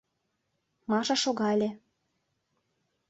— Маша шогале.